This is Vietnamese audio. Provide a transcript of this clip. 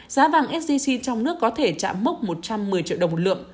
giá vàng sdc trong nước có thể trả mốc một trăm một mươi triệu đồng một lượng